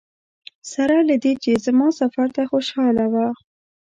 سره له دې چې زما سفر ته خوشاله وه.